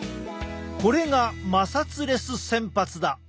これが摩擦レス洗髪だ。